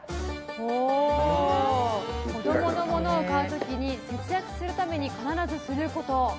子供のものを買う時に節約するために必ずすること。